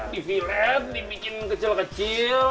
di viet dibikin kecil kecil